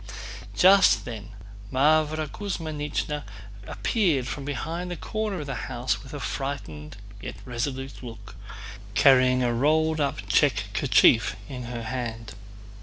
Just then Mávra Kuzmínichna appeared from behind the corner of the house with a frightened yet resolute look, carrying a rolled up check kerchief in her hand.